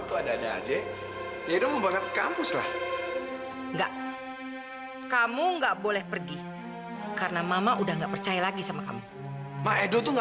tidak akan bisa menghentikan